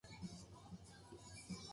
Youtube を見る